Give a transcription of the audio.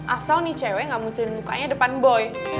asal nih cewek gak munculin mukanya depan boy